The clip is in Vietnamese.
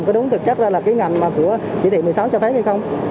có đúng thực chất là cái ngành của chỉ thị một mươi sáu cho phép hay không